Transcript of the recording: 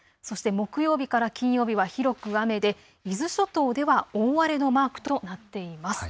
木曜日から金曜日は広く雨で伊豆諸島では大荒れのマークとなっています。